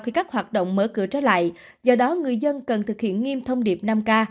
khi các hoạt động mở cửa trở lại do đó người dân cần thực hiện nghiêm thông điệp năm k